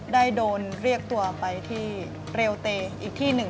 ได้โดนเรียกตัวไปที่เรลเตย์อีกที่หนึ่ง